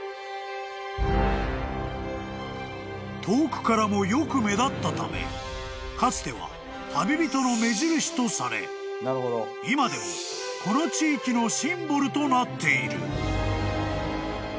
［遠くからもよく目立ったためかつては旅人の目印とされ今でもこの地域のシンボルとなっている］